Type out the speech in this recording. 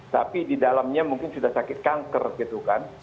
tapi di dalamnya mungkin sudah sakit kanker gitu kan